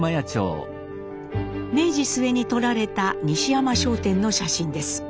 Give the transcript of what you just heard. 明治末に撮られた西山商店の写真です。